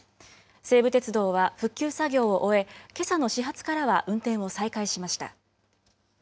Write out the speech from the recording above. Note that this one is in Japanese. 西武鉄道は、復旧作業を終え、けさの始発からは運転を再開しました。